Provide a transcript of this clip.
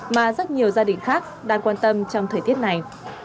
mà rất nhiều gia đình khác đang quan tâm trong thời tiết này